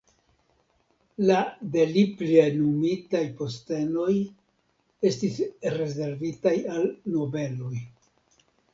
La de li plenumitaj postenoj estis rezervitaj al nobeloj.